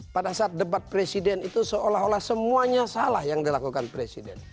pada saat debat presiden itu seolah olah semuanya salah yang dilakukan presiden